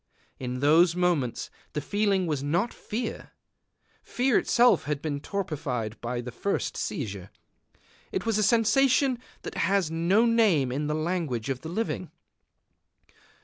In those moments the feeling was not fear: fear itself had been torpified by the first seizure. It was a sensation that has no name in the language of the living.